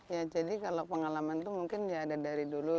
ya jadi kalau pengalaman itu mungkin ya ada dari dulu